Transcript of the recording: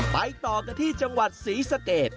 ไปต่อกันที่จังหวัดศรีสะเกด